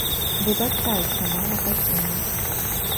Выбачай, што мала пакінуў!